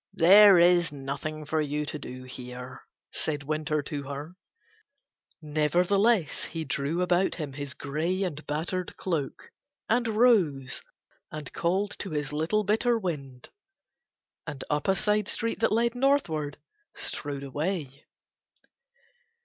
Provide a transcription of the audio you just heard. "There is nothing for you to do here," said Winter to her. Nevertheless he drew about him his grey and battered cloak and rose and called to his little bitter wind and up a side street that led northward strode away.